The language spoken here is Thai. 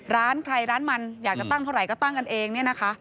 ร้านใครร้านมันอยากจะตั้งเท่าไหร่ก็ตั้งกันเองเนี่ยนะคะ